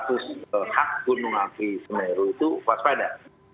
kasus hak gunung api semeru itu waspada